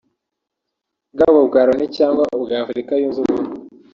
bwaba ubwa Loni cyangwa ubwa Afurika Yunze Ubumwe